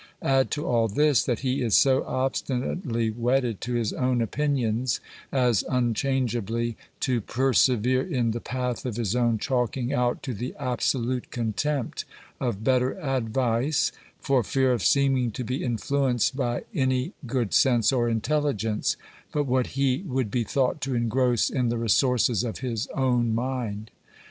Add to all this, that he is so obstinately wedded to his own opinions, as unchangeably' to persevere in the path of his own chalking out, to the absolute contempt of better advice, for fear of seeming to be influenced by any good sense or intelligence, but what he would be thought to engross in the resources of his own mind.